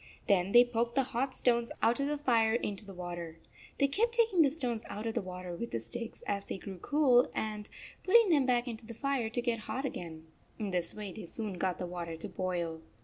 Then they poked the hot stones out of the fire into the water. They 33 kept taking the stones out of the water with sticks as they grew cool and putting them back into the fire to get hot again. In this way they soon got the water to boil.